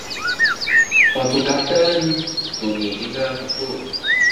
pacukaten tu ni ina kaku